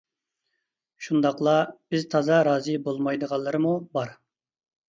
شۇنداقلا بىز تازا رازى بولمايدىغانلىرىمۇ بار.